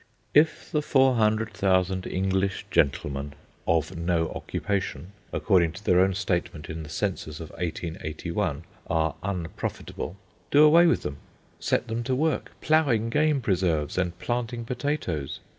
If the 400,000 English gentlemen, "of no occupation," according to their own statement in the Census of 1881, are unprofitable, do away with them. Set them to work ploughing game preserves and planting potatoes.